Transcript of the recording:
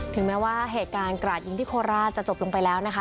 ถึงแม้ว่าเหตุการณ์กราดยิงที่โคราชจะจบลงไปแล้วนะคะ